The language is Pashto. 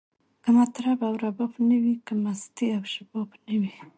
که مطرب او رباب نه وی، که مستی او شباب نه وی